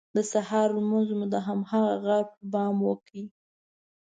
د سهار لمونځ مو د هماغه غار پر بام وکړ.